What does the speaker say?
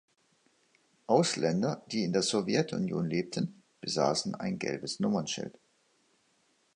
Ausländer, die in der Sowjetunion lebten, besaßen ein gelbes Nummernschild.